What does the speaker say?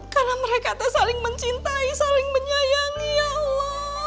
karena mereka tuh saling mencintai saling menyayangi ya allah